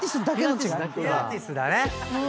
ピラティスだね。